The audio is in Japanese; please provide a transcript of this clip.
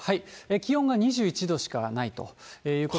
気温が２１度しかないということで。